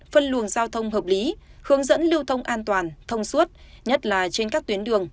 phân luồng giao thông hợp lý hướng dẫn lưu thông an toàn thông suốt nhất là trên các tuyến đường